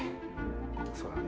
そうだね。